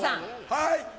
はい。